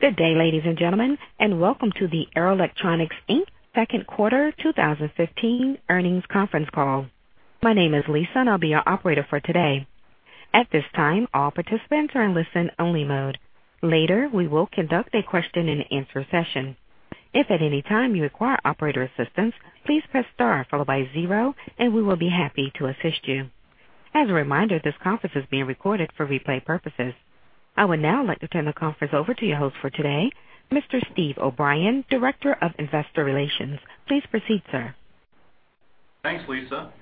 Good day, ladies and gentlemen, and welcome to the Arrow Electronics Inc. second quarter 2015 earnings conference call. My name is Lisa, and I'll be your operator for today. At this time, all participants are in listen-only mode. Later, we will conduct a question-and-answer session. If at any time you require operator assistance, please press star followed by zero, and we will be happy to assist you. As a reminder, this conference is being recorded for replay purposes. I would now like to turn the conference over to your host for today, Mr. Steve O'Brien, Director of Investor Relations. Please proceed, sir. Thanks, Lisa.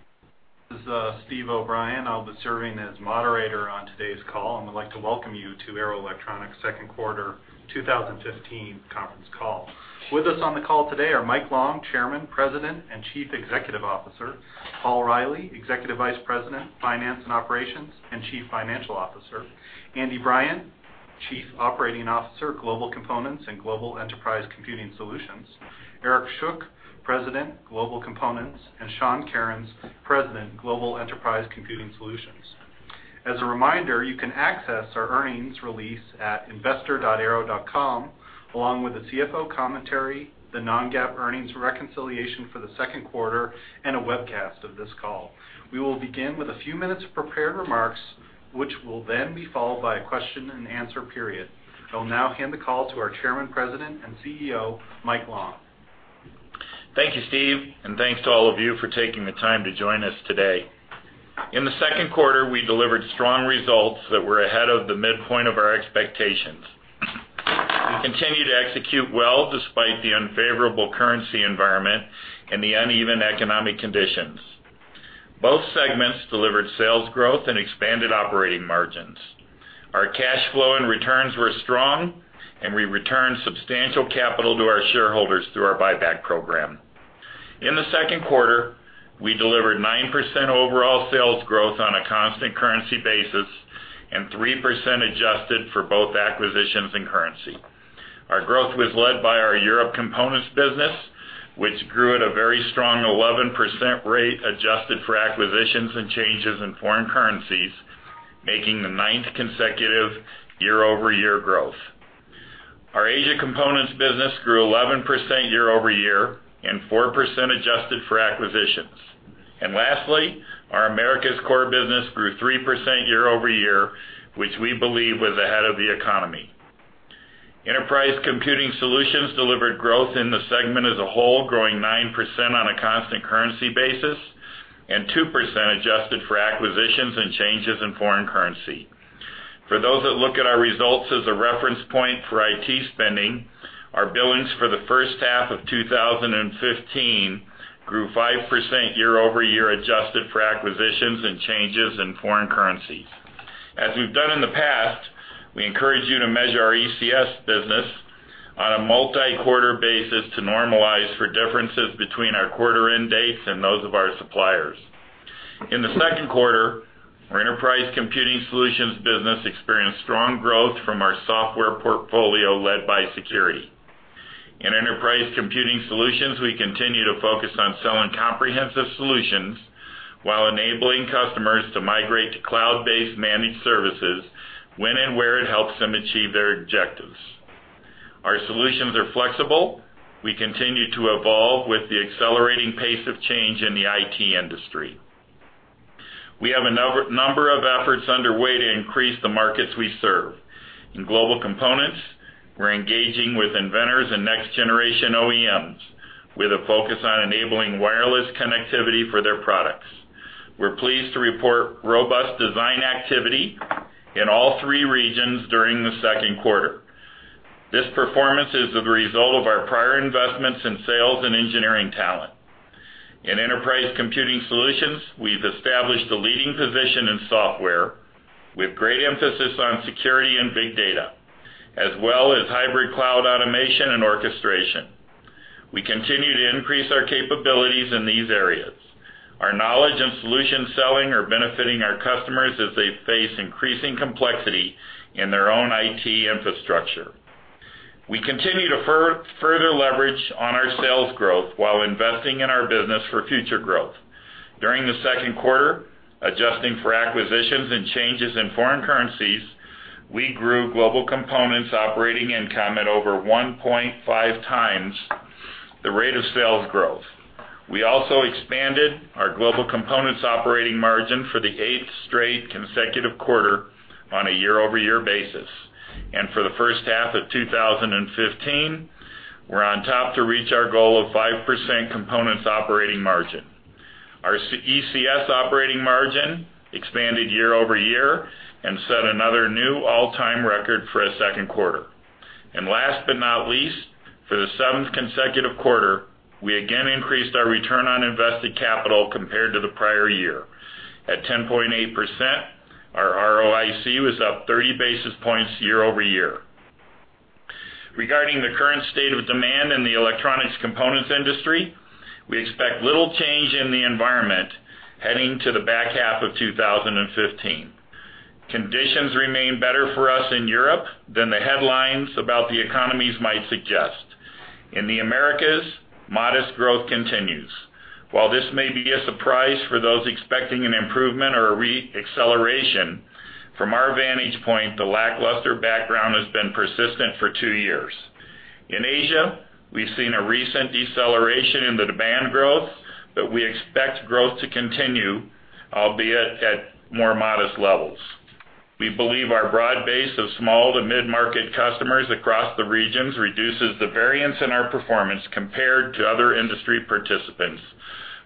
This is Steve O'Brien. I'll be serving as moderator on today's call, and I'd like to welcome you to Arrow Electronics' second quarter 2015 conference call. With us on the call today are Mike Long, Chairman, President, and Chief Executive Officer; Paul Reilly, Executive Vice President, Finance and Operations, and Chief Financial Officer; Andy Bryant, Chief Operating Officer, Global Components and Global Enterprise Computing Solutions; Eric Schuck, President, Global Components; and Sean Kerins, President, Global Enterprise Computing Solutions. As a reminder, you can access our earnings release at investor.arrow.com, along with the CFO commentary, the non-GAAP earnings reconciliation for the second quarter, and a webcast of this call. We will begin with a few minutes of prepared remarks, which will then be followed by a question-and-answer period. I'll now hand the call to our Chairman, President, and CEO, Michael Long. Thank you, Steve, and thanks to all of you for taking the time to join us today. In the second quarter, we delivered strong results that were ahead of the midpoint of our expectations. We continue to execute well despite the unfavorable currency environment and the uneven economic conditions. Both segments delivered sales growth and expanded operating margins. Our cash flow and returns were strong, and we returned substantial capital to our shareholders through our buyback program. In the second quarter, we delivered 9% overall sales growth on a constant currency basis and 3% adjusted for both acquisitions and currency. Our growth was led by our Europe Components business, which grew at a very strong 11% rate, adjusted for acquisitions and changes in foreign currencies, making the ninth consecutive year-over-year growth. Our Asia Components business grew 11% year over year and 4% adjusted for acquisitions. Lastly, our Americas core business grew 3% year-over-year, which we believe was ahead of the economy. Enterprise Computing Solutions delivered growth in the segment as a whole, growing 9% on a constant currency basis and 2% adjusted for acquisitions and changes in foreign currency. For those that look at our results as a reference point for IT spending, our billings for the first half of 2015 grew 5% year-over-year, adjusted for acquisitions and changes in foreign currency. As we've done in the past, we encourage you to measure our ECS business on a multi-quarter basis to normalize for differences between our quarter-end dates and those of our suppliers. In the second quarter, our Enterprise Computing Solutions business experienced strong growth from our software portfolio, led by security. In Enterprise Computing Solutions, we continue to focus on selling comprehensive solutions while enabling customers to migrate to cloud-based managed services when and where it helps them achieve their objectives. Our solutions are flexible. We continue to evolve with the accelerating pace of change in the IT industry. We have a number of efforts underway to increase the markets we serve. In Global Components, we're engaging with inventors and next-generation OEMs, with a focus on enabling wireless connectivity for their products. We're pleased to report robust design activity in all three regions during the second quarter. This performance is the result of our prior investments in sales and engineering talent. In Enterprise Computing Solutions, we've established a leading position in software with great emphasis on security and big data, as well as hybrid cloud automation and orchestration. We continue to increase our capabilities in these areas. Our knowledge and solution selling are benefiting our customers as they face increasing complexity in their own IT infrastructure. We continue to further leverage on our sales growth while investing in our business for future growth. During the second quarter, adjusting for acquisitions and changes in foreign currencies, we grew Global Components operating income at over 1.5 times the rate of sales growth. We also expanded our Global Components operating margin for the 8th straight consecutive quarter on a year-over-year basis. And for the first half of 2015, we're on track to reach our goal of 5% Components operating margin. Our ECS operating margin expanded year over year and set another new all-time record for a second quarter. And last but not least, for the 7th consecutive quarter, we again increased our return on invested capital compared to the prior year. At 10.8%, our ROIC was up 30 basis points year-over-year. Regarding the current state of demand in the electronic components industry, we expect little change in the environment heading to the back half of 2015. Conditions remain better for us in Europe than the headlines about the economies might suggest. In the Americas, modest growth continues. While this may be a surprise for those expecting an improvement or a re-acceleration, from our vantage point, the lackluster background has been persistent for two years. In Asia, we've seen a recent deceleration in the demand growth, but we expect growth to continue, albeit at more modest levels. We believe our broad base of small to mid-market customers across the regions reduces the variance in our performance compared to other industry participants,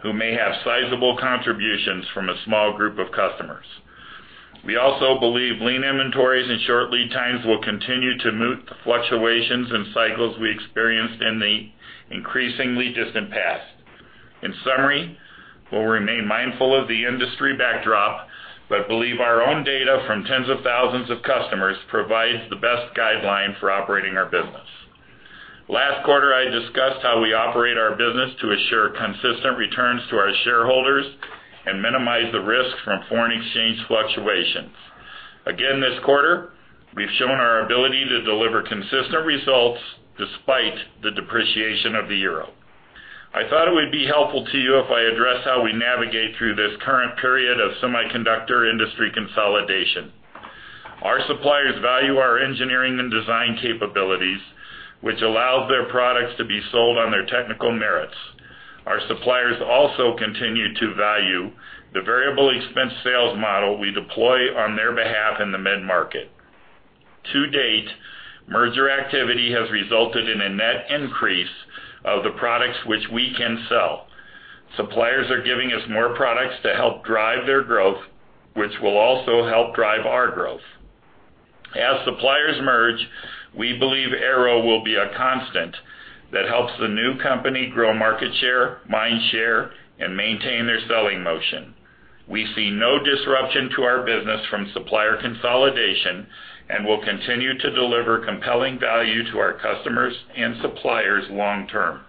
who may have sizable contributions from a small group of customers. We also believe lean inventories and short lead times will continue to moot the fluctuations and cycles we experienced in the increasingly distant past. In summary, we'll remain mindful of the industry backdrop, but believe our own data from tens of thousands of customers provides the best guideline for operating our business. Last quarter, I discussed how we operate our business to assure consistent returns to our shareholders and minimize the risk from foreign exchange fluctuations. Again, this quarter, we've shown our ability to deliver consistent results despite the depreciation of the euro. I thought it would be helpful to you if I address how we navigate through this current period of semiconductor industry consolidation. Our suppliers value our engineering and design capabilities, which allows their products to be sold on their technical merits. Our suppliers also continue to value the variable expense sales model we deploy on their behalf in the mid-market. To date, merger activity has resulted in a net increase of the products which we can sell. Suppliers are giving us more products to help drive their growth, which will also help drive our growth. As suppliers merge, we believe Arrow will be a constant that helps the new company grow market share, mind share, and maintain their selling motion. We see no disruption to our business from supplier consolidation, and we'll continue to deliver compelling value to our customers and suppliers long term.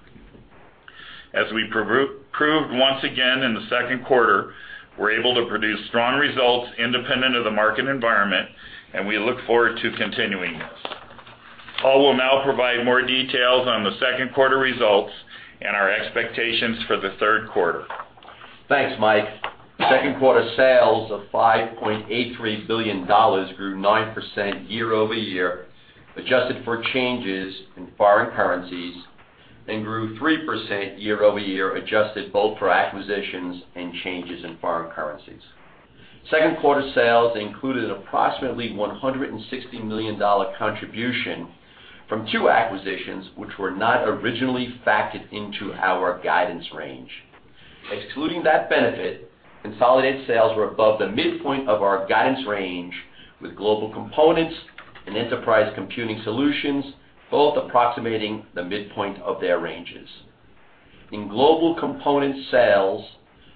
As we proved once again in the second quarter, we're able to produce strong results independent of the market environment, and we look forward to continuing this. Paul will now provide more details on the second quarter results and our expectations for the third quarter. Thanks, Mike. Second quarter sales of $5.83 billion grew 9% year-over-year, adjusted for changes in foreign currencies, and grew 3% year-over-year, adjusted both for acquisitions and changes in foreign currencies. Second quarter sales included an approximately $160 million contribution from two acquisitions, which were not originally factored into our guidance range. Excluding that benefit, consolidated sales were above the midpoint of our guidance range, with Global Components and Enterprise Computing Solutions both approximating the midpoint of their ranges. In Global Components, sales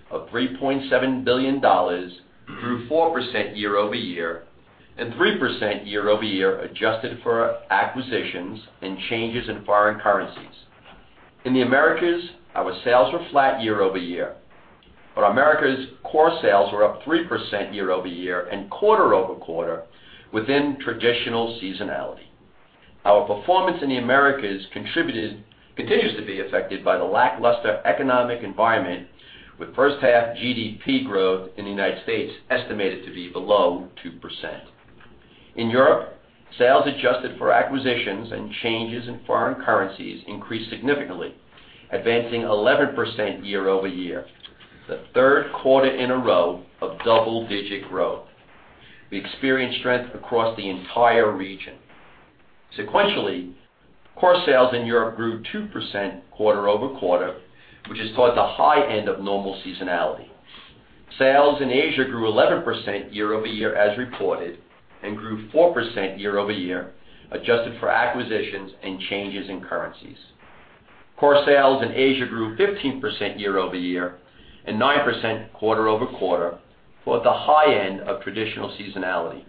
of $3.7 billion grew 4% year-over-year, and 3% year-over-year, adjusted for acquisitions and changes in foreign currencies. In the Americas, our sales were flat year-over-year, but Americas core sales were up 3% year-over-year and quarter-over-quarter within traditional seasonality. Our performance in the Americas continues to be affected by the lackluster economic environment, with first half GDP growth in the United States estimated to be below 2%. In Europe, sales adjusted for acquisitions and changes in foreign currencies increased significantly, advancing 11% year-over-year, the third quarter in a row of double-digit growth. We experienced strength across the entire region. Sequentially, core sales in Europe grew 2% quarter-over-quarter, which is toward the high end of normal seasonality. Sales in Asia grew 11% year-over-year as reported and grew 4% year-over-year, adjusted for acquisitions and changes in currencies. Core sales in Asia grew 15% year-over-year and 9% quarter-over-quarter, for the high end of traditional seasonality.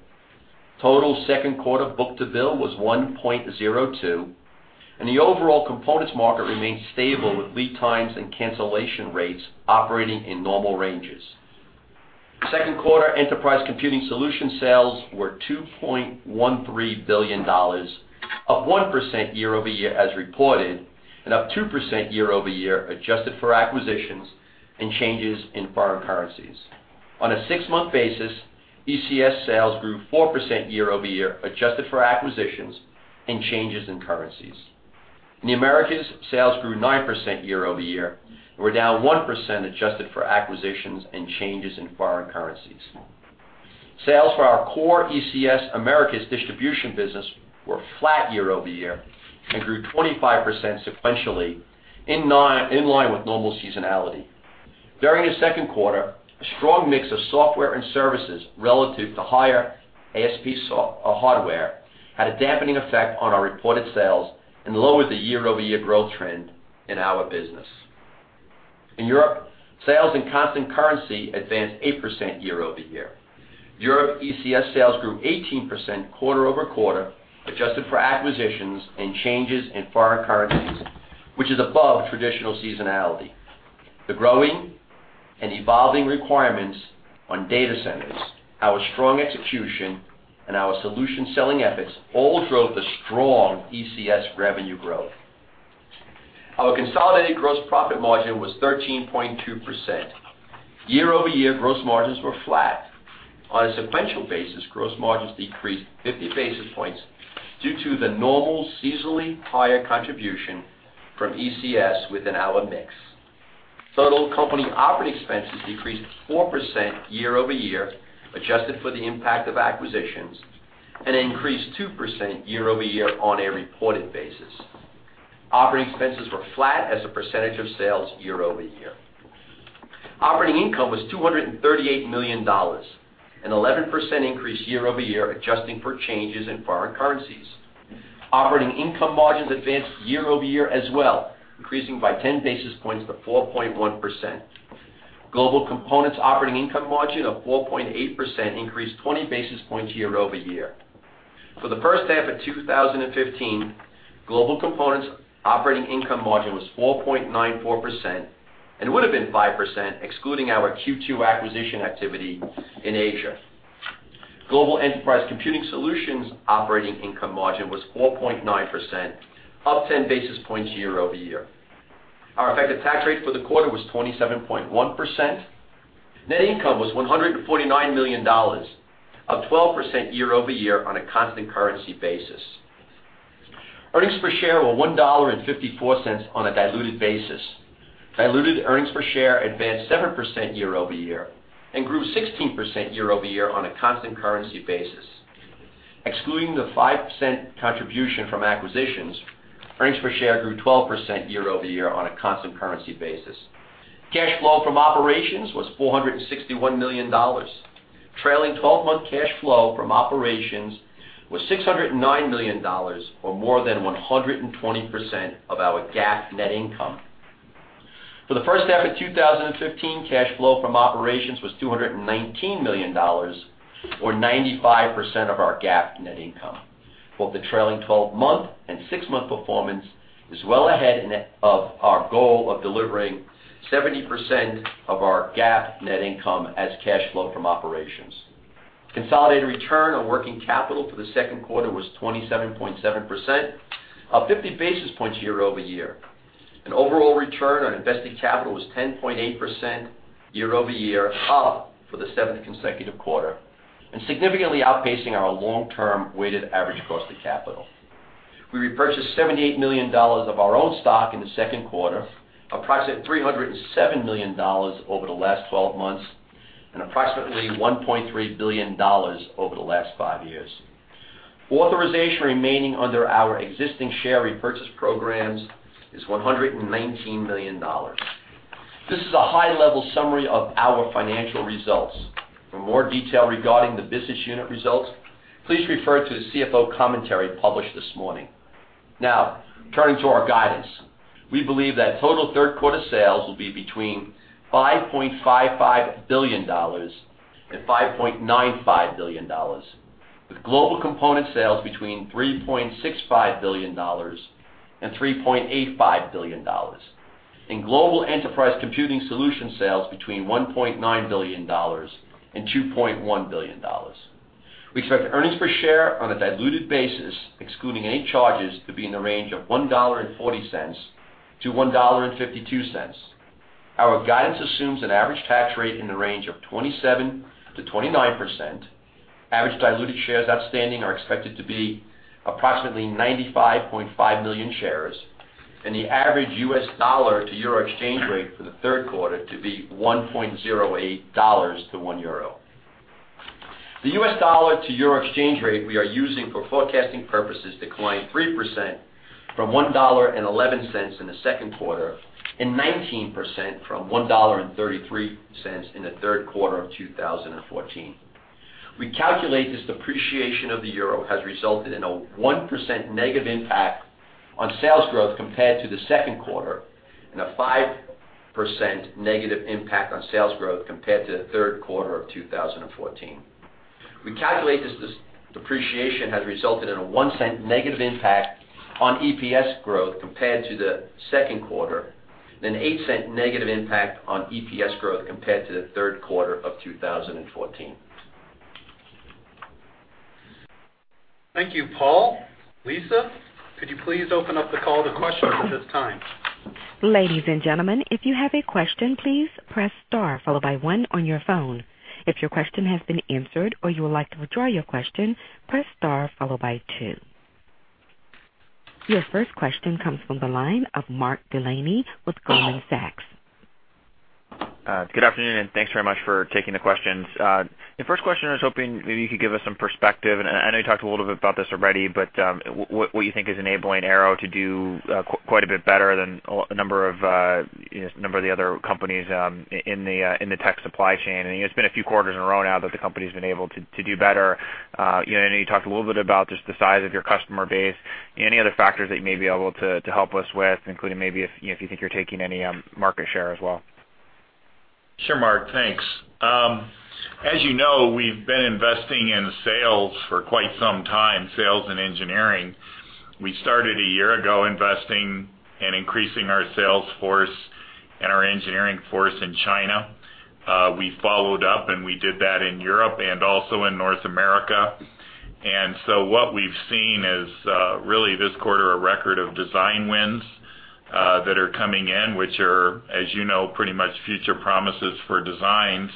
Total second quarter book-to-bill was 1.02, and the overall components market remained stable, with lead times and cancellation rates operating in normal ranges. Second quarter Enterprise Computing Solutions sales were $2.13 billion, up 1% year-over-year as reported, and up 2% year-over-year, adjusted for acquisitions and changes in foreign currencies. On a six-month basis, ECS sales grew 4% year-over-year, adjusted for acquisitions and changes in currencies. In the Americas, sales grew 9% year-over-year and were down 1%, adjusted for acquisitions and changes in foreign currencies. Sales for our core ECS Americas distribution business were flat year-over-year and grew 25% sequentially, in line with normal seasonality. During the second quarter, a strong mix of software and services relative to higher ASP hardware had a dampening effect on our reported sales and lowered the year-over-year growth trend in our business. In Europe, sales in constant currency advanced 8% year-over-year. Europe ECS sales grew 18% quarter-over-quarter, adjusted for acquisitions and changes in foreign currencies, which is above traditional seasonality. The growing and evolving requirements on data centers, our strong execution, and our solution selling efforts all drove the strong ECS revenue growth. Our consolidated gross profit margin was 13.2%. Year-over-year gross margins were flat. On a sequential basis, gross margins decreased 50 basis points due to the normal seasonally higher contribution from ECS within our mix. Total company operating expenses decreased 4% year-over-year, adjusted for the impact of acquisitions, and increased 2% year-over-year on a reported basis. Operating expenses were flat as a percentage of sales year-over-year. Operating income was $238 million, an 11% increase year-over-year, adjusting for changes in foreign currencies. Operating income margins advanced year-over-year as well, increasing by 10 basis points to 4.1%. Global Components operating income margin of 4.8% increased 20 basis points year-over-year. For the first half of 2015, Global Components operating income margin was 4.94% and would have been 5%, excluding our Q2 acquisition activity in Asia. Global Enterprise Computing Solutions operating income margin was 4.9%, up 10 basis points year-over-year. Our effective tax rate for the quarter was 27.1%. Net income was $149 million, up 12% year-over-year on a constant currency basis. Earnings per share were $1.54 on a diluted basis. Diluted earnings per share advanced 7% year-over-year and grew 16% year-over-year on a constant currency basis. Excluding the 5% contribution from acquisitions, earnings per share grew 12% year-over-year on a constant currency basis. Cash flow from operations was $461 million. Trailing twelve-month cash flow from operations was $609 million, or more than 120% of our GAAP net income. For the first half of 2015, cash flow from operations was $219 million, or 95% of our GAAP net income. Both the trailing twelve-month and six-month performance is well ahead of our goal of delivering 70% of our GAAP net income as cash flow from operations. Consolidated return on working capital for the second quarter was 27.7%, up 50 basis points year-over-year, and overall return on invested capital was 10.8% year-over-year, up for the seventh consecutive quarter, and significantly outpacing our long-term weighted average cost of capital. We repurchased $78 million of our own stock in the second quarter, approximately $307 million over the last twelve months, and approximately $1.3 billion over the last five years. Authorization remaining under our existing share repurchase programs is $119 million. This is a high-level summary of our financial results. For more detail regarding the business unit results, please refer to the CFO commentary published this morning. Now, turning to our guidance. We believe that total third quarter sales will be between $5.55 billion and $5.95 billion, with Global Components sales between $3.65 billion and $3.85 billion, and Global Enterprise Computing Solutions sales between $1.9 billion and $2.1 billion. We expect earnings per share on a diluted basis, excluding any charges, to be in the range of $1.40 to $1.52. Our guidance assumes an average tax rate in the range of 27%-29%. Average diluted shares outstanding are expected to be approximately 95.5 million shares, and the average U.S. dollar to euro exchange rate for the third quarter to be $1.08 to €1. The U.S. dollar to euro exchange rate we are using for forecasting purposes declined 3% from $1.11 in the second quarter, and 19% from $1.33 in the third quarter of 2014. We calculate this depreciation of the euro has resulted in a 1% negative impact on sales growth compared to the second quarter, and a 5% negative impact on sales growth compared to the third quarter of 2014. We calculate this depreciation has resulted in a -$0.01 negative impact on EPS growth compared to the second quarter, and an -$0.08 negative impact on EPS growth compared to the third quarter of 2014. Thank you, Paul. Lisa, could you please open up the call to questions at this time? Ladies and gentlemen, if you have a question, please press star followed by one on your phone. If your question has been answered or you would like to withdraw your question, press star followed by two. Your first question comes from the line of Mark Delaney with Goldman Sachs. Good afternoon, and thanks very much for taking the questions. The first question, I was hoping maybe you could give us some perspective, and I know you talked a little bit about this already, but what you think is enabling Arrow to do quite a bit better than a number of the other companies in the tech supply chain? I think it's been a few quarters in a row now that the company's been able to do better. You know, I know you talked a little bit about just the size of your customer base. Any other factors that you may be able to help us with, including maybe if you know, if you think you're taking any market share as well? ... Sure, Mark, thanks. As you know, we've been investing in sales for quite some time, sales and engineering. We started a year ago, investing and increasing our sales force and our engineering force in China. We followed up, and we did that in Europe and also in North America. And so what we've seen is, really, this quarter, a record of design wins that are coming in, which are, as you know, pretty much future promises for designs,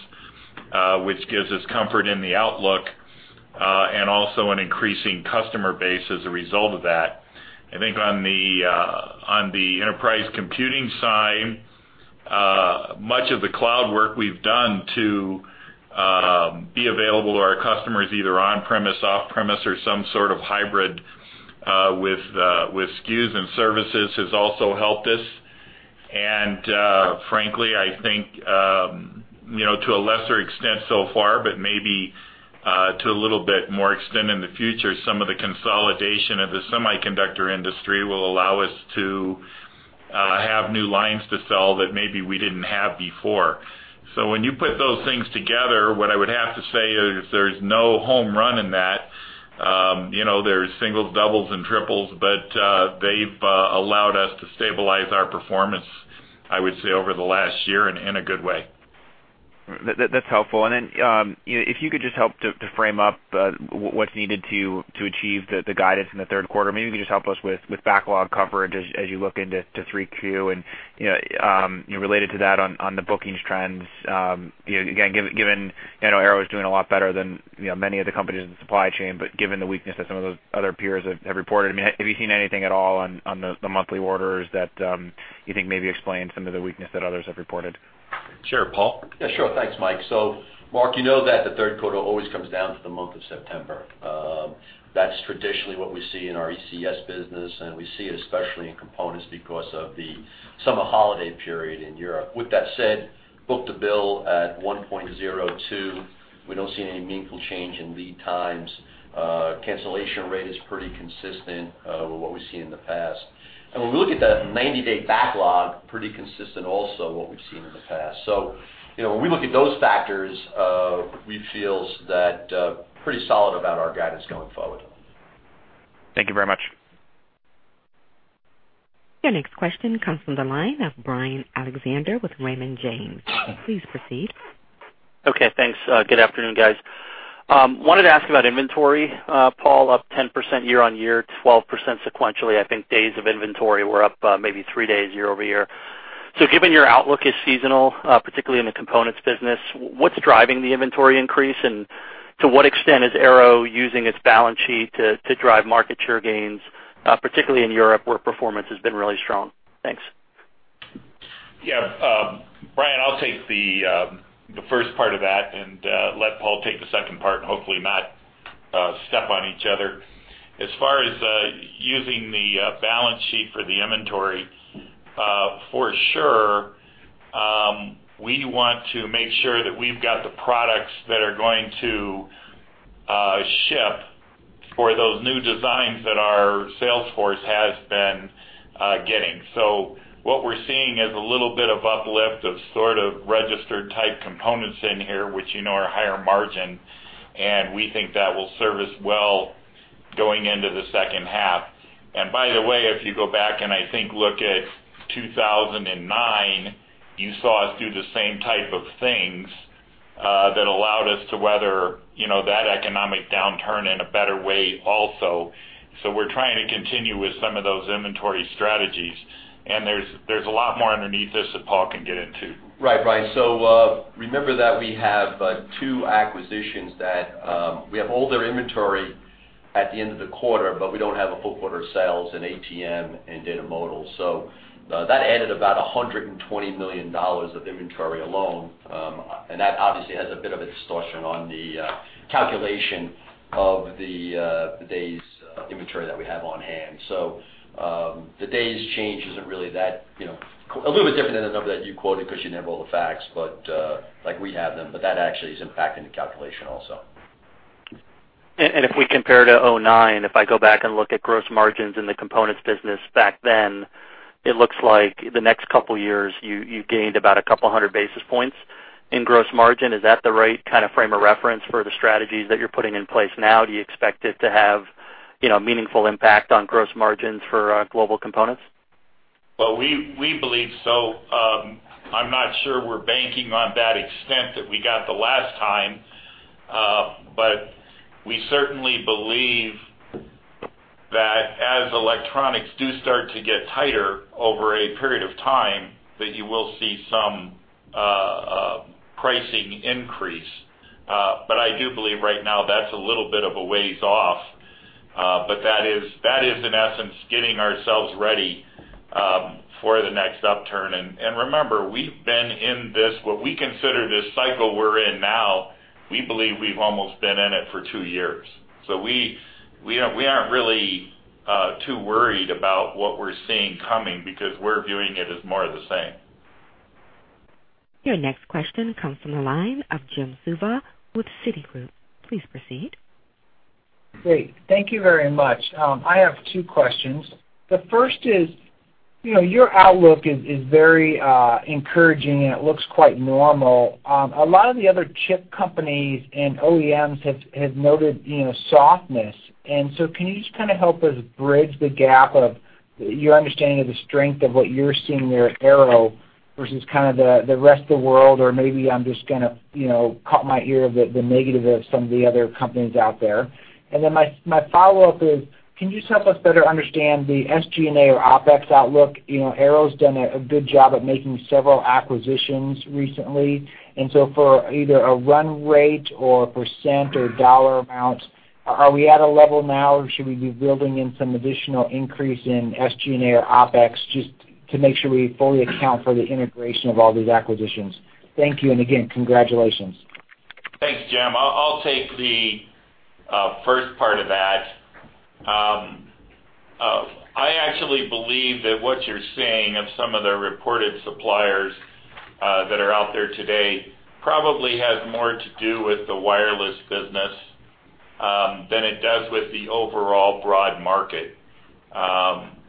which gives us comfort in the outlook, and also an increasing customer base as a result of that. I think on the, on the enterprise computing side, much of the cloud work we've done to, be available to our customers, either on-premise, off-premise, or some sort of hybrid, with, with SKUs and services, has also helped us. Frankly, I think, you know, to a lesser extent so far, but maybe, to a little bit more extent in the future, some of the consolidation of the semiconductor industry will allow us to have new lines to sell that maybe we didn't have before. So when you put those things together, what I would have to say is there's no home run in that. You know, there's singles, doubles, and triples, but they've allowed us to stabilize our performance, I would say, over the last year in a good way. That's helpful. And then, if you could just help to frame up what's needed to achieve the guidance in the third quarter. Maybe you could just help us with backlog coverage as you look into 3Q, and, you know, you know, related to that, on the bookings trends. You know, again, given, you know, Arrow is doing a lot better than, you know, many of the companies in the supply chain, but given the weakness that some of those other peers have reported, I mean, have you seen anything at all on the monthly orders that you think maybe explain some of the weakness that others have reported? Sure, Paul? Yeah, sure. Thanks, Mike. So Mark, you know that the third quarter always comes down to the month of September. That's traditionally what we see in our ECS business, and we see it especially in components because of the summer holiday period in Europe. With that said, book-to-bill at 1.02, we don't see any meaningful change in lead times. Cancellation rate is pretty consistent with what we've seen in the past. And when we look at that 90-day backlog, pretty consistent also what we've seen in the past. So, you know, when we look at those factors, we feels that pretty solid about our guidance going forward. Thank you very much. Your next question comes from the line of Brian Alexander with Raymond James. Please proceed. Okay, thanks. Good afternoon, guys. Wanted to ask about inventory. Paul, up 10% year-on-year, 12% sequentially. I think days of inventory were up, maybe three days year-on-year. So given your outlook is seasonal, particularly in the components business, what's driving the inventory increase? And to what extent is Arrow using its balance sheet to drive market share gains, particularly in Europe, where performance has been really strong? Thanks. Yeah, Brian, I'll take the first part of that and let Paul take the second part, and hopefully not step on each other. As far as using the balance sheet for the inventory, for sure, we want to make sure that we've got the products that are going to ship for those new designs that our sales force has been getting. So what we're seeing is a little bit of uplift, of sort of registered type components in here, which you know, are higher margin, and we think that will serve us well going into the second half. By the way, if you go back, and I think, look at 2009, you saw us do the same type of things that allowed us to weather, you know, that economic downturn in a better way also. So we're trying to continue with some of those inventory strategies, and there's a lot more underneath this that Paul can get into. Right, Brian. So, remember that we have two acquisitions that we have all their inventory at the end of the quarter, but we don't have a full quarter sales in ATM and Data Modul. So, that added about $120 million of inventory alone. And that obviously has a bit of a distortion on the calculation of the days of inventory that we have on hand. So, the days change isn't really that, you know, a little bit different than the number that you quoted, because you didn't have all the facts, but, like we have them, but that actually is impacting the calculation also. If we compare to 2009, if I go back and look at gross margins in the components business back then, it looks like the next couple of years, you gained about 200 basis points in gross margin. Is that the right kind of frame of reference for the strategies that you're putting in place now? Do you expect it to have, you know, meaningful impact on gross margins for Global Components? Well, we believe so. I'm not sure we're banking on that extent that we got the last time, but we certainly believe that as electronics do start to get tighter over a period of time, that you will see some pricing increase. But I do believe right now that's a little bit of a ways off. But that is, in essence, getting ourselves ready for the next upturn. And remember, we've been in this, what we consider this cycle we're in now, we believe we've almost been in it for two years. So we aren't really too worried about what we're seeing coming because we're viewing it as more of the same. Your next question comes from the line of Jim Suva with Citigroup. Please proceed. ... Great. Thank you very much. I have two questions. The first is, you know, your outlook is, is very, encouraging, and it looks quite normal. A lot of the other chip companies and OEMs have, have noted, you know, softness. And so can you just kind of help us bridge the gap of your understanding of the strength of what you're seeing there at Arrow versus kind of the, the rest of the world? Or maybe I'm just gonna, you know, caught my ear of the, the negative of some of the other companies out there. And then my, my follow-up is, can you just help us better understand the SG&A or OpEx outlook? You know, Arrow's done a, a good job at making several acquisitions recently. And so for either a run rate or a percent or dollar amount, are we at a level now, or should we be building in some additional increase in SG&A or OpEx just to make sure we fully account for the integration of all these acquisitions? Thank you. And again, congratulations. Thanks, Jim. I'll take the first part of that. I actually believe that what you're seeing of some of the reported suppliers that are out there today probably has more to do with the wireless business than it does with the overall broad market.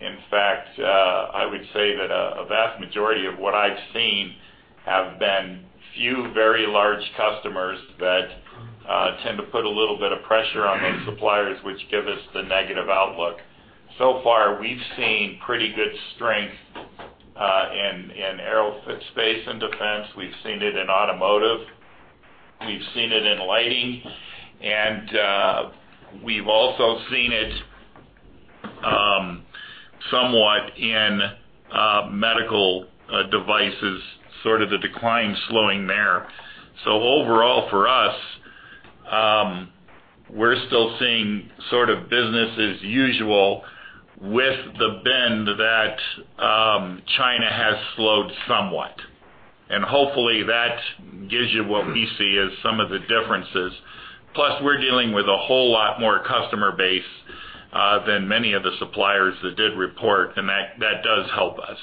In fact, I would say that a vast majority of what I've seen have been few very large customers that tend to put a little bit of pressure on those suppliers, which give us the negative outlook. So far, we've seen pretty good strength in aerospace and defense. We've seen it in automotive, we've seen it in lighting, and we've also seen it somewhat in medical devices, sort of the decline slowing there. So overall for us, we're still seeing sort of business as usual with the trend that China has slowed somewhat. And hopefully, that gives you what we see as some of the differences. Plus, we're dealing with a whole lot more customer base than many of the suppliers that did report, and that does help us.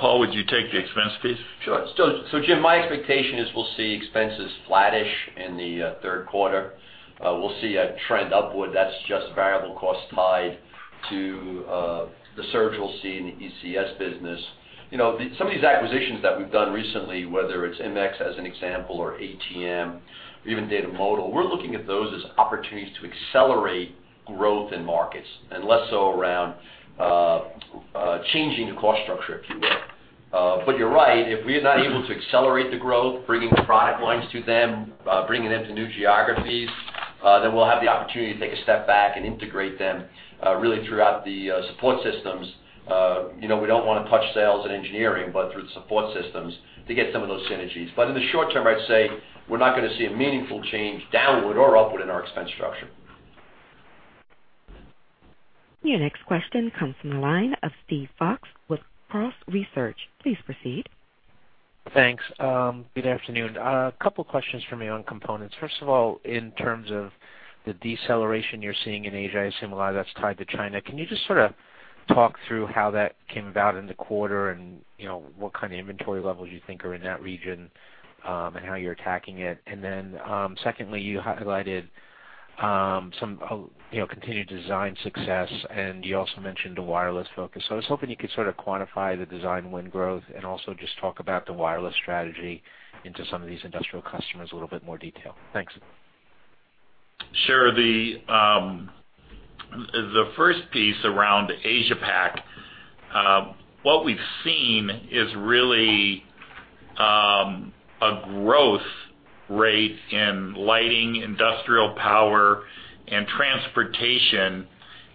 Paul, would you take the expense piece? Sure. So, Jim, my expectation is we'll see expenses flattish in the third quarter. We'll see a trend upward that's just variable cost tied to the surge we'll see in the ECS business. You know, some of these acquisitions that we've done recently, whether it's immix, as an example, or ATM, or even Data Modul, we're looking at those as opportunities to accelerate growth in markets and less so around changing the cost structure, if you will. But you're right, if we're not able to accelerate the growth, bringing the product lines to them, bringing them to new geographies, then we'll have the opportunity to take a step back and integrate them, really throughout the support systems. You know, we don't want to touch sales and engineering, but through the support systems to get some of those synergies. But in the short term, I'd say we're not gonna see a meaningful change downward or upward in our expense structure. Your next question comes from the line of Steve Fox with Cross Research. Please proceed. Thanks. Good afternoon. A couple questions for me on components. First of all, in terms of the deceleration you're seeing in Asia, I assume a lot of that's tied to China. Can you just sort of talk through how that came about in the quarter and, you know, what kind of inventory levels you think are in that region, and how you're attacking it? And then, secondly, you highlighted some of, you know, continued design success, and you also mentioned the wireless focus. So I was hoping you could sort of quantify the design win growth and also just talk about the wireless strategy into some of these industrial customers a little bit more detail. Thanks. Sure. The first piece around Asia Pac, what we've seen is really a growth rate in lighting, industrial power, and transportation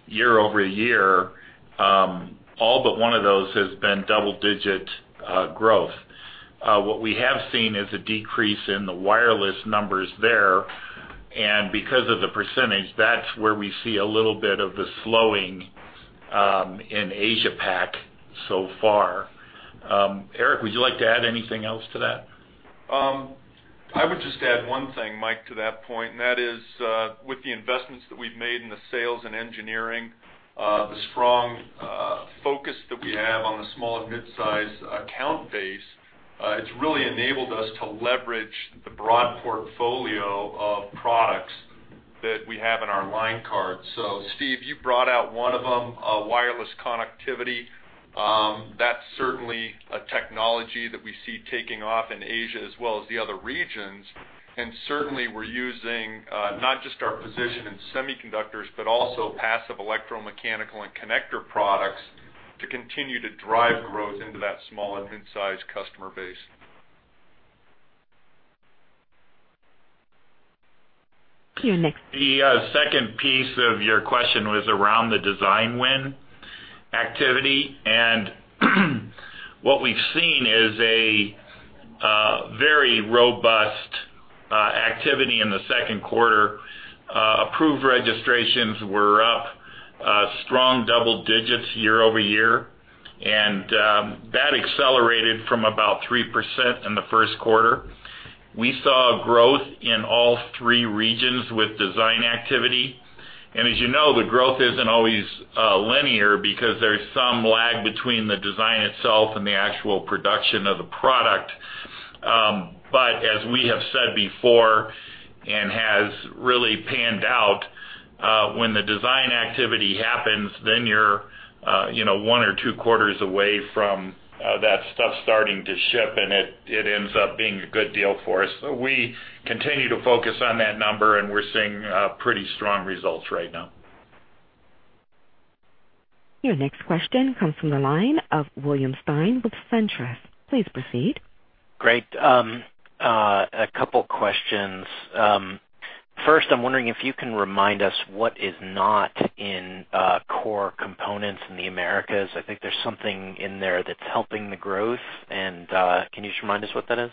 year-over-year. All but one of those has been double digit growth. What we have seen is a decrease in the wireless numbers there, and because of the percentage, that's where we see a little bit of the slowing in Asia Pac so far. Eric, would you like to add anything else to that? I would just add one thing, Mike, to that point, and that is, with the investments that we've made in the sales and engineering, the strong, focus that we have on the small and mid-sized account base, it's really enabled us to leverage the broad portfolio of products that we have in our line card. So Steve, you brought out one of them, a wireless connectivity. That's certainly a technology that we see taking off in Asia as well as the other regions. And certainly, we're using, not just our position in semiconductors, but also passive electromechanical and connector products to continue to drive growth into that small and mid-sized customer base. Your next- The second piece of your question was around the design win activity, and what we've seen is a very robust activity in the second quarter. Approved registrations were up strong double digits year-over-year, and that accelerated from about 3% in the first quarter. We saw a growth in all three regions with design activity. And as you know, the growth isn't always linear because there's some lag between the design itself and the actual production of the product. But as we have said before, and has really panned out, when the design activity happens, then you're, you know, one or two quarters away from that stuff starting to ship, and it, it ends up being a good deal for us. We continue to focus on that number, and we're seeing pretty strong results right now. Your next question comes from the line of William Stein with Truist Securities. Please proceed. Great. A couple questions. First, I'm wondering if you can remind us what is not in core components in the Americas. I think there's something in there that's helping the growth, and can you just remind us what that is?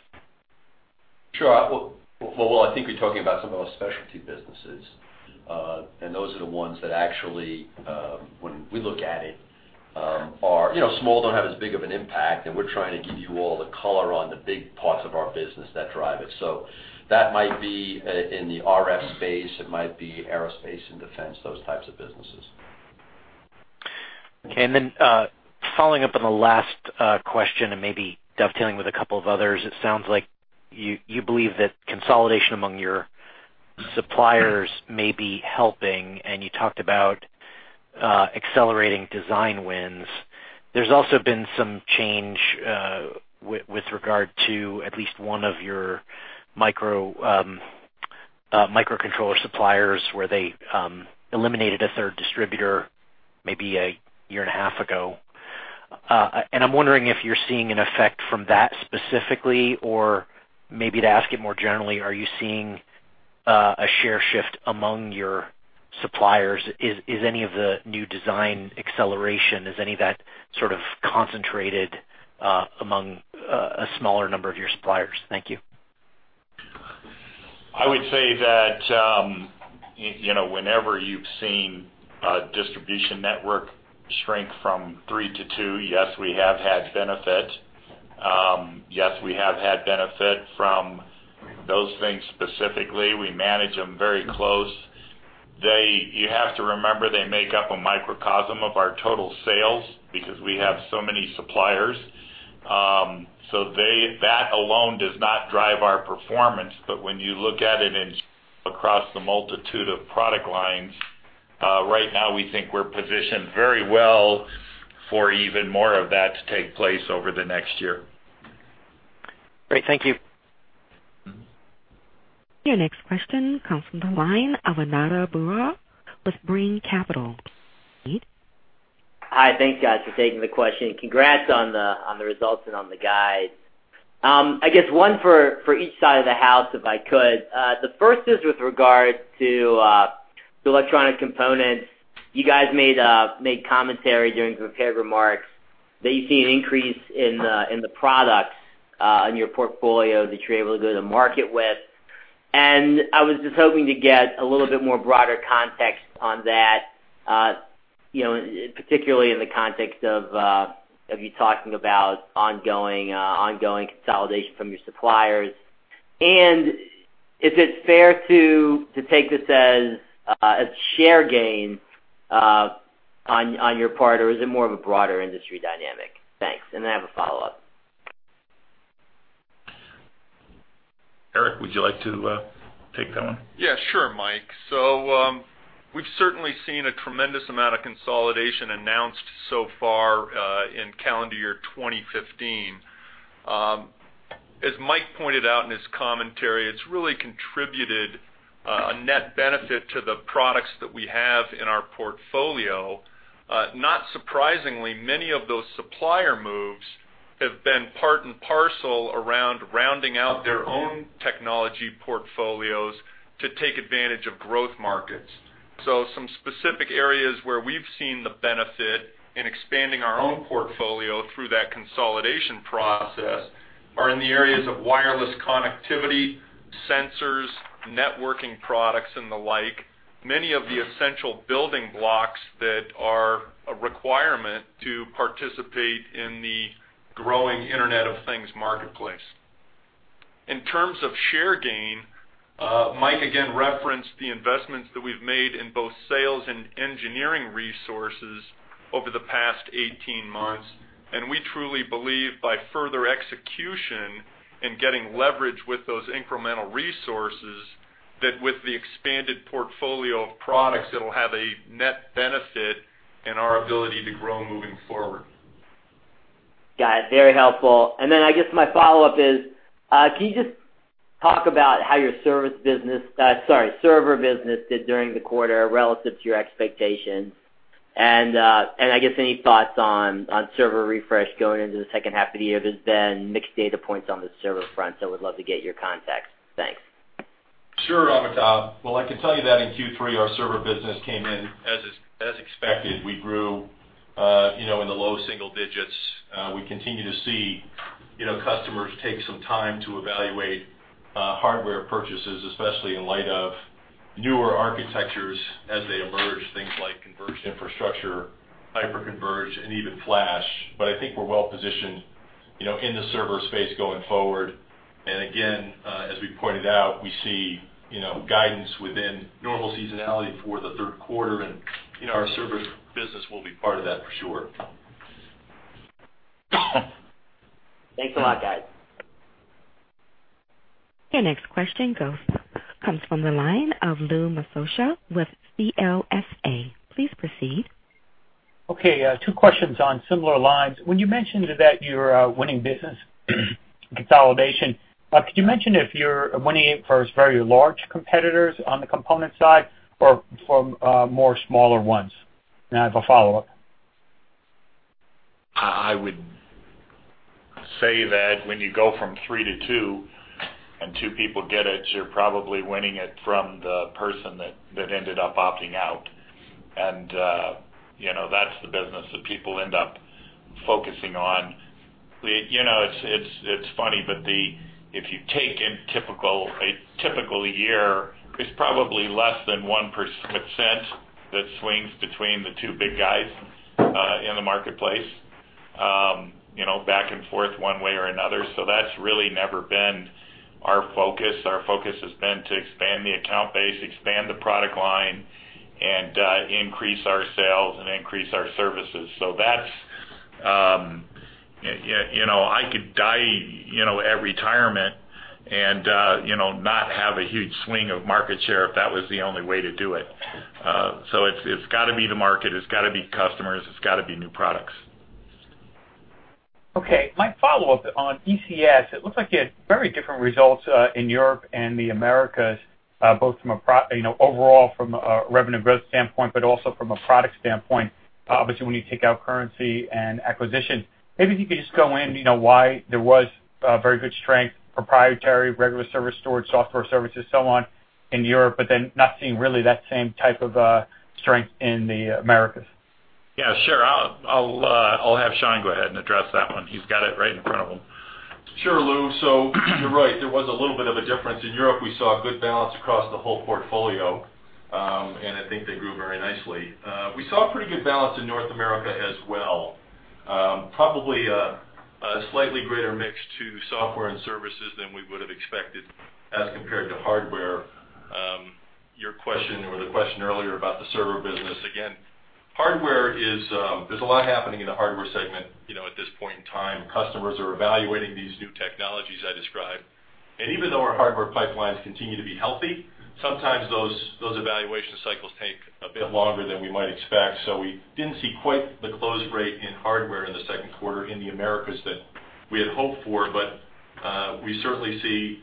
Sure. Well, I think you're talking about some of our specialty businesses. And those are the ones that actually, when we look at it, are, you know, small, don't have as big of an impact, and we're trying to give you all the color on the big parts of our business that drive it. So that might be, in the RF space, it might be aerospace and defense, those types of businesses. Okay. And then, following up on the last question and maybe dovetailing with a couple of others, it sounds like you believe that consolidation among your suppliers may be helping, and you talked about accelerating design wins. There's also been some change with regard to at least one of your microcontroller suppliers, where they eliminated a third distributor maybe a year and a half ago. And I'm wondering if you're seeing an effect from that specifically, or maybe to ask it more generally, are you seeing a share shift among your suppliers? Is any of the new design acceleration, is any of that sort of concentrated among a smaller number of your suppliers? Thank you. I would say that, you know, whenever you've seen a distribution network shrink from 3 to 2, yes, we have had benefit. Yes, we have had benefit from those things specifically. We manage them very close. They. You have to remember, they make up a microcosm of our total sales because we have so many suppliers. So, they, that alone does not drive our performance. But when you look at it across the multitude of product lines, right now, we think we're positioned very well for even more of that to take place over the next year. Great. Thank you. Your next question comes from the line of Ananda Baruah with Brean Capital. Hi, thanks, guys, for taking the question, and congrats on the results and on the guide. I guess one for each side of the house, if I could. The first is with regard to the electronic components. You guys made commentary during the prepared remarks that you see an increase in the products on your portfolio that you're able to go to market with. And I was just hoping to get a little bit more broader context on that, you know, particularly in the context of you talking about ongoing consolidation from your suppliers. And is it fair to take this as a share gain on your part, or is it more of a broader industry dynamic? Thanks. And I have a follow-up. Eric, would you like to take that one? Yeah, sure, Michael. So, we've certainly seen a tremendous amount of consolidation announced so far, in calendar year 2015. As Mike pointed out in his commentary, it's really contributed, a net benefit to the products that we have in our portfolio. Not surprisingly, many of those supplier moves have been part and parcel around rounding out their own technology portfolios to take advantage of growth markets. So some specific areas where we've seen the benefit in expanding our own portfolio through that consolidation process, are in the areas of wireless connectivity, sensors, networking products, and the like. Many of the essential building blocks that are a requirement to participate in the growing Internet of Things marketplace. In terms of share gain, Mike, again, referenced the investments that we've made in both sales and engineering resources over the past 18 months, and we truly believe by further execution and getting leverage with those incremental resources, that with the expanded portfolio of products, it'll have a net benefit in our ability to grow moving forward. Got it. Very helpful. And then I guess my follow-up is, can you just talk about how your service business, sorry, server business did during the quarter relative to your expectations? And I guess any thoughts on server refresh going into the second half of the year. There's been mixed data points on the server front, so would love to get your context. Thanks. Sure, Amitabha. Well, I can tell you that in Q3, our server business came in as expected. We grew, you know, in the low single digits. We continue to see, you know, customers take some time to evaluate hardware purchases, especially in light of newer architectures as they emerge, things like converged infrastructure, hyperconverged, and even flash. But I think we're well positioned, you know, in the server space going forward. And again, as we pointed out, we see, you know, guidance within normal seasonality for the third quarter, and, you know, our server business will be part of that for sure. Thanks a lot, guys. Your next question comes from the line of Louis Maffea with CLSA. Please proceed. Okay, two questions on similar lines. When you mentioned that you're winning business consolidation, could you mention if you're winning it for very large competitors on the component side or from more smaller ones? And I have a follow-up. I would say that when you go from three to two, and two people get it, you're probably winning it from the person that ended up opting out. And, you know, that's the business that people end up focusing on. You know, it's funny, but if you take a typical year, it's probably less than 1% that swings between the two big guys in the marketplace, you know, back and forth one way or another. So that's really never been our focus. Our focus has been to expand the account base, expand the product line, and increase our sales and increase our services. So that's, you know, I could die, you know, at retirement and, you know, not have a huge swing of market share if that was the only way to do it. So it's gotta be the market, it's gotta be customers, it's gotta be new products. Okay, my follow-up on ECS, it looks like you had very different results in Europe and the Americas, both from a—you know, overall from a revenue growth standpoint, but also from a product standpoint, obviously, when you take out currency and acquisition. Maybe if you could just go in, you know, why there was very good strength, proprietary, regular service, storage, software services, so on in Europe, but then not seeing really that same type of strength in the Americas. Yeah, sure. I'll have Sean go ahead and address that one. He's got it right in front of him. Sure, Lou. So you're right, there was a little bit of a difference. In Europe, we saw a good balance across the whole portfolio, and I think they grew very nicely. We saw a pretty good balance in North America as well. Probably, a slightly greater mix to software and services than we would have expected as compared to hardware. Your question or the question earlier about the server business. Again, hardware is... There's a lot happening in the hardware segment, you know, at this point in time. Customers are evaluating these new technologies I described. And even though our hardware pipelines continue to be healthy, sometimes those evaluation cycles take a bit longer than we might expect. So we didn't see quite the close rate in hardware in the second quarter in the Americas that we had hoped for, but we certainly see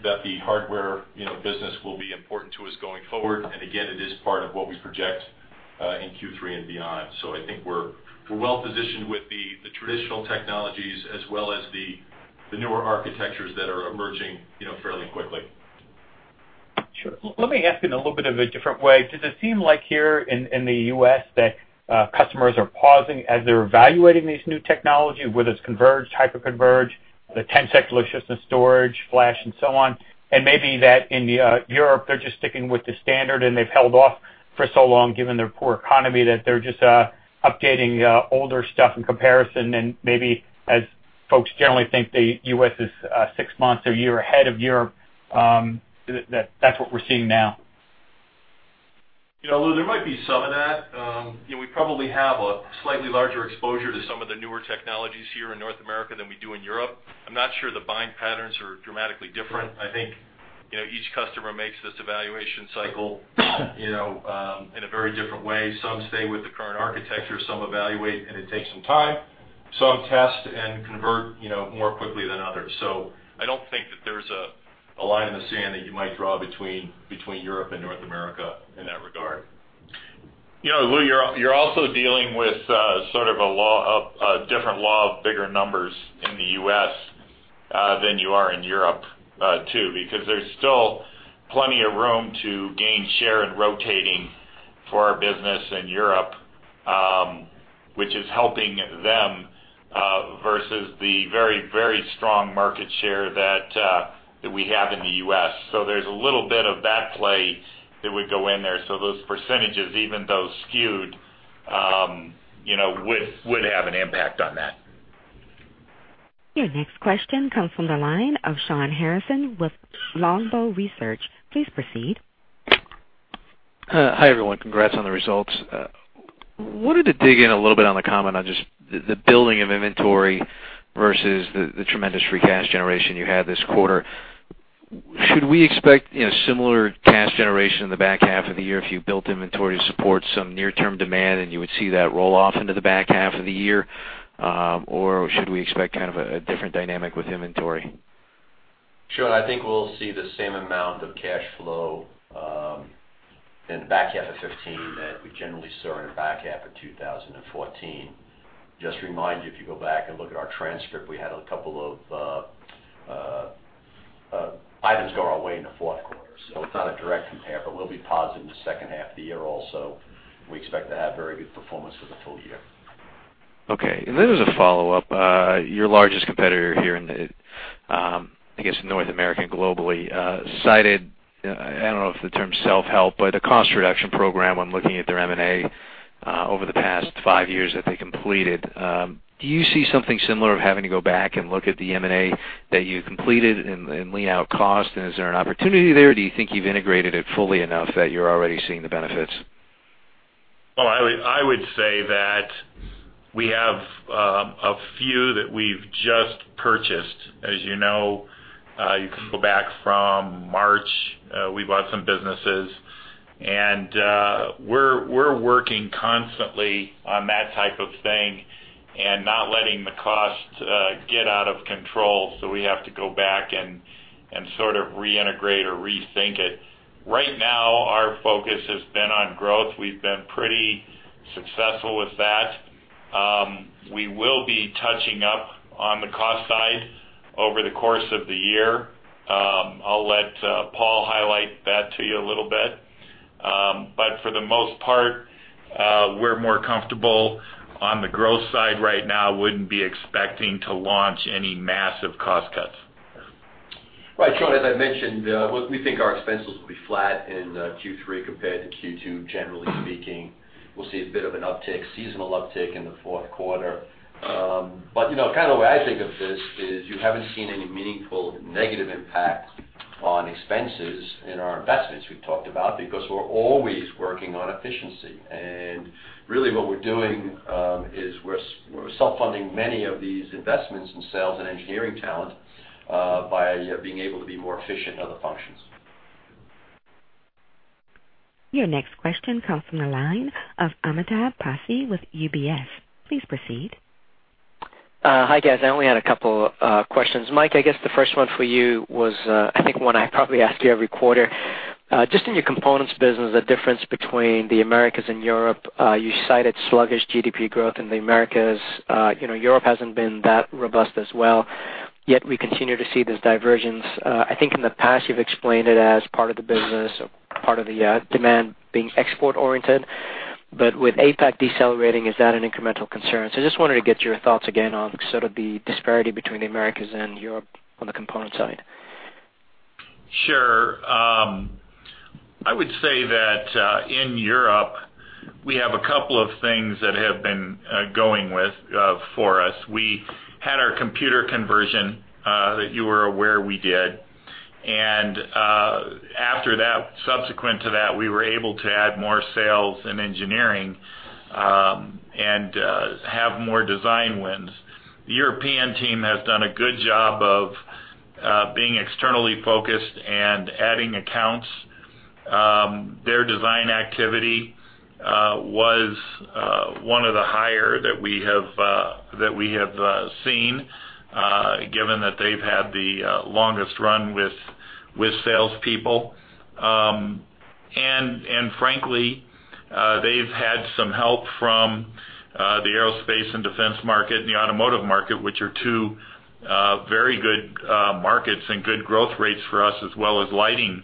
that the hardware, you know, business will be important to us going forward. And again, it is part of what we project in Q3 and beyond. So I think we're well positioned with the traditional technologies as well as the newer architectures that are emerging, you know, fairly quickly. Sure. Let me ask you in a little bit of a different way. Does it seem like here in the US, that customers are pausing as they're evaluating these new technology, whether it's converged, hyper-converged, the 10-second deliciousness storage, flash, and so on? And maybe that in Europe, they're just sticking with the standard, and they've held off for so long, given their poor economy, that they're just updating older stuff in comparison, and maybe as folks generally think, the US is six months or a year ahead of Europe, that that's what we're seeing now. You know, Lou, there might be some of that. You know, we probably have a slightly larger exposure to some of the newer technologies here in North America than we do in Europe. I'm not sure the buying patterns are dramatically different. I think, you know, each customer makes this evaluation cycle, you know, in a very different way. Some stay with the current architecture, some evaluate, and it takes some time. Some test and convert, you know, more quickly than others. So I don't think that there's a line in the sand that you might draw between Europe and North America in that regard. You know, Lou, you're also dealing with sort of a different law of bigger numbers in the US than you are in Europe too, because there's still plenty of room to gain share and rotating for our business in Europe, which is helping them versus the very, very strong market share that we have in the US. So there's a little bit of that play that would go in there. So those percentages, even though skewed, you know, would have an impact on that. Your next question comes from the line of Shawn Harrison with Longbow Research. Please proceed. Hi, everyone. Congrats on the results. Wanted to dig in a little bit on the comment on just the, the building of inventory versus the, the tremendous free cash generation you had this quarter. Should we expect, you know, similar cash generation in the back half of the year if you built inventory to support some near-term demand, and you would see that roll off into the back half of the year? Or should we expect kind of a, a different dynamic with inventory? Sure. I think we'll see the same amount of cash flow in the back half of 2015 that we generally saw in the back half of 2014. Just to remind you, if you go back and look at our transcript, we had a couple of items go our way in the fourth quarter. So it's not a direct compare, but we'll be positive in the second half of the year also. We expect to have very good performance for the full year. Okay, and this is a follow-up. Your largest competitor here in the, I guess, North America and globally cited I don't know if the term self-help, but a cost reduction program when looking at their M&A over the past five years that they completed. Do you see something similar of having to go back and look at the M&A that you completed and lean out cost? And is there an opportunity there, or do you think you've integrated it fully enough that you're already seeing the benefits?... Well, I would, I would say that we have a few that we've just purchased. As you know, you can go back from March, we bought some businesses, and, we're, we're working constantly on that type of thing and not letting the costs get out of control, so we have to go back and, and sort of reintegrate or rethink it. Right now, our focus has been on growth. We've been pretty successful with that. We will be touching up on the cost side over the course of the year. I'll let Paul highlight that to you a little bit. But for the most part, we're more comfortable on the growth side right now. Wouldn't be expecting to launch any massive cost cuts. Right, Sean, as I mentioned, we think our expenses will be flat in Q3 compared to Q2. Generally speaking, we'll see a bit of an uptick, seasonal uptick in the fourth quarter. But, you know, kind of the way I think of this is you haven't seen any meaningful negative impact on expenses in our investments we've talked about, because we're always working on efficiency. And really, what we're doing is we're self-funding many of these investments in sales and engineering talent by being able to be more efficient in other functions. Your next question comes from the line of Amitabh Passi with UBS. Please proceed. Hi, guys. I only had a couple questions. Mike, I guess the first one for you was, I think one I probably ask you every quarter. Just in your components business, the difference between the Americas and Europe, you cited sluggish GDP growth in the Americas. You know, Europe hasn't been that robust as well, yet we continue to see this divergence. I think in the past, you've explained it as part of the business or part of the demand being export oriented, but with APAC decelerating, is that an incremental concern? So I just wanted to get your thoughts again on sort of the disparity between the Americas and Europe on the component side. Sure. I would say that in Europe, we have a couple of things that have been going with for us. We had our computer conversion that you were aware we did. And after that, subsequent to that, we were able to add more sales and engineering and have more design wins. The European team has done a good job of being externally focused and adding accounts. Their design activity was one of the higher that we have seen given that they've had the longest run with salespeople. And frankly, they've had some help from the aerospace and defense market and the automotive market, which are two very good markets and good growth rates for us, as well as lighting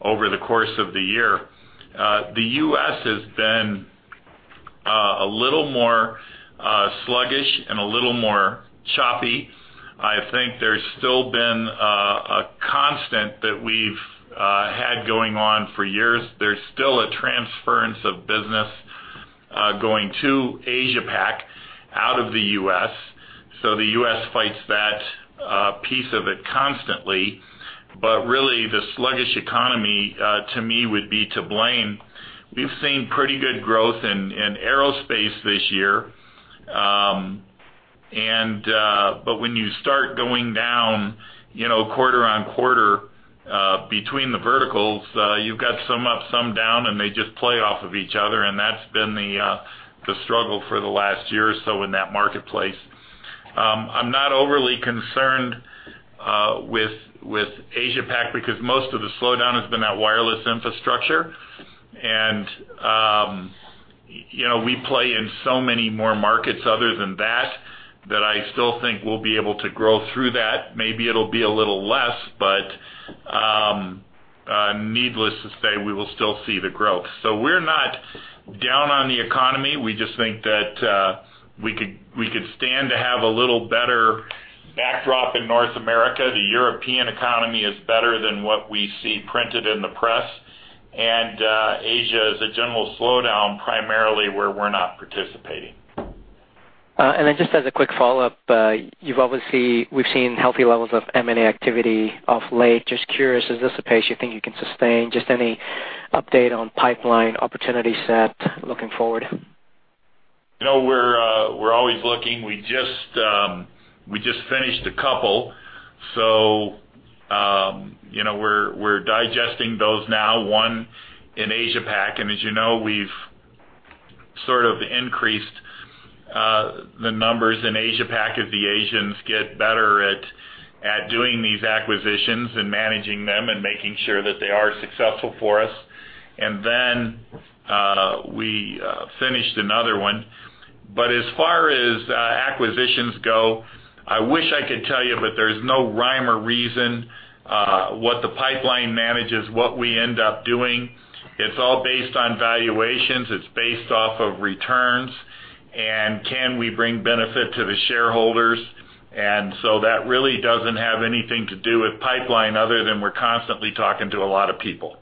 over the course of the year. The U.S. has been a little more sluggish and a little more choppy. I think there's still been a constant that we've had going on for years. There's still a transference of business going to Asia Pac out of the U.S., so the U.S. fights that piece of it constantly. But really, the sluggish economy, to me, would be to blame. We've seen pretty good growth in aerospace this year, and but when you start going down, you know, quarter-on-quarter, between the verticals, you've got some up, some down, and they just play off of each other, and that's been the struggle for the last year or so in that marketplace. I'm not overly concerned with Asia Pac, because most of the slowdown has been that wireless infrastructure. And you know, we play in so many more markets other than that, that I still think we'll be able to grow through that. Maybe it'll be a little less, but needless to say, we will still see the growth. So we're not down on the economy. We just think that we could, we could stand to have a little better backdrop in North America. The European economy is better than what we see printed in the press, and Asia is a general slowdown, primarily where we're not participating. And then just as a quick follow-up, you've obviously, we've seen healthy levels of M&A activity of late. Just curious, is this a pace you think you can sustain? Just any update on pipeline opportunity set looking forward? You know, we're always looking. We just finished a couple, so you know, we're digesting those now, one in Asia Pac, and as you know, we've sort of increased the numbers in Asia Pac as the Asians get better at doing these acquisitions and managing them and making sure that they are successful for us. And then we finished another one. But as far as acquisitions go, I wish I could tell you, but there's no rhyme or reason what the pipeline manages, what we end up doing. It's all based on valuations, it's based off of returns, and can we bring benefit to the shareholders? And so that really doesn't have anything to do with pipeline other than we're constantly talking to a lot of people.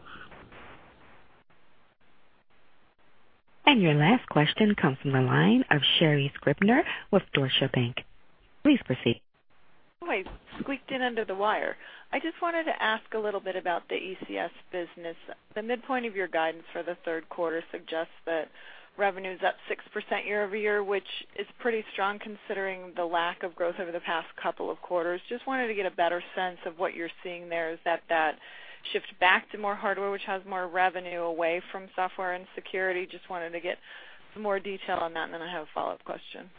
Your last question comes from the line of Sherri Scribner with Deutsche Bank. Please proceed.... Oh, I squeaked in under the wire. I just wanted to ask a little bit about the ECS business. The midpoint of your guidance for the third quarter suggests that revenue is up 6% year-over-year, which is pretty strong considering the lack of growth over the past couple of quarters. Just wanted to get a better sense of what you're seeing there, is that, that shifts back to more hardware, which has more revenue away from software and security. Just wanted to get some more detail on that, and then I have a follow-up question.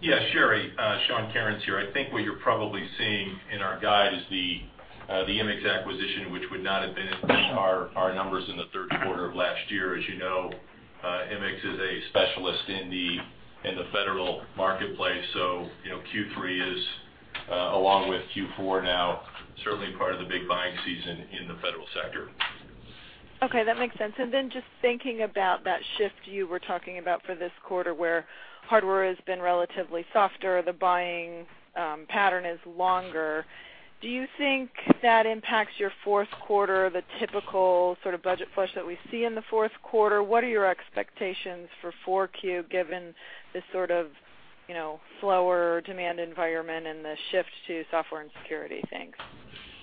Yeah, Sherri, Sean Kerins here. I think what you're probably seeing in our guide is the immix acquisition, which would not have been in our numbers in the third quarter of last year. As you know, immix is a specialist in the federal marketplace, so, you know, Q3 is along with Q4 now, certainly part of the big buying season in the federal sector. Okay, that makes sense. And then just thinking about that shift you were talking about for this quarter, where hardware has been relatively softer, the buying pattern is longer. Do you think that impacts your fourth quarter, the typical sort of budget flush that we see in the fourth quarter? What are your expectations for 4Q, given this sort of, you know, slower demand environment and the shift to software and security? Thanks.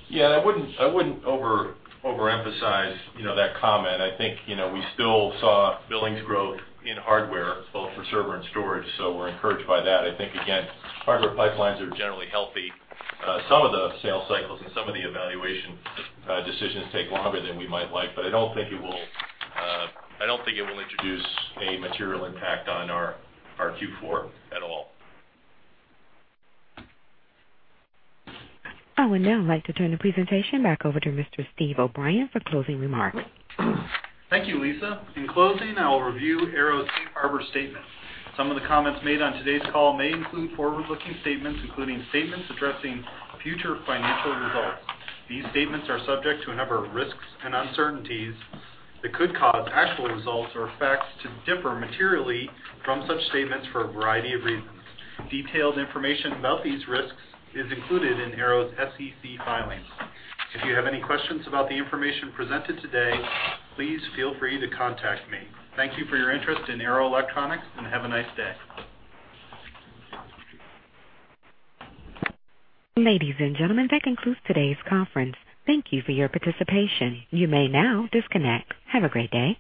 Yeah, I wouldn't overemphasize, you know, that comment. I think, you know, we still saw billings growth in hardware, both for server and storage, so we're encouraged by that. I think, again, hardware pipelines are generally healthy. Some of the sales cycles and some of the evaluation decisions take longer than we might like, but I don't think it will introduce a material impact on our Q4 at all. I would now like to turn the presentation back over to Mr. Steve O'Brien for closing remarks. Thank you, Lisa. In closing, I will review Arrow's safe harbor statement. Some of the comments made on today's call may include forward-looking statements, including statements addressing future financial results. These statements are subject to a number of risks and uncertainties that could cause actual results or facts to differ materially from such statements for a variety of reasons. Detailed information about these risks is included in Arrow's SEC filings. If you have any questions about the information presented today, please feel free to contact me. Thank you for your interest in Arrow Electronics, and have a nice day. Ladies and gentlemen, that concludes today's conference. Thank you for your participation. You may now disconnect. Have a great day.